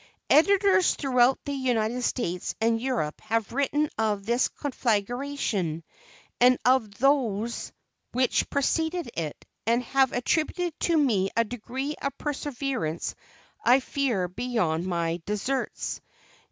Editors throughout the United States and Europe have written of this conflagration, and of those which preceded it, and have attributed to me a degree of perseverance I fear beyond my deserts.